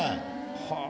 はあ。